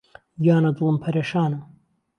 گیانە دڵم پەرێشانە